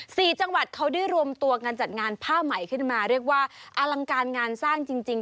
สี่จังหวัดเขาได้รวมตัวกันจัดงานผ้าใหม่ขึ้นมาเรียกว่าอลังการงานสร้างจริงจริง